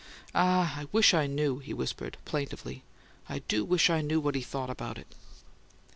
"Ah, I wish I knew," he whispered, plaintively. "I do wish I knew what he thought about it."